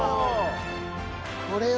これは。